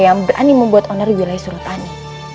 yang berani membuat owner wilayah surutani